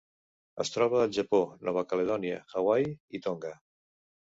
Es troba al Japó, Nova Caledònia, Hawaii i Tonga.